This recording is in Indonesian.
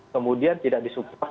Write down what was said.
kemudian tidak disupah